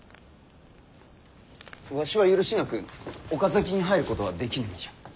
わしは許しなく岡崎に入ることはできぬ身じゃ。